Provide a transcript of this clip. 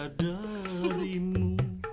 tanda cinta darimu